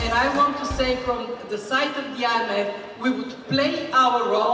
di sisi imf kita akan membuat peran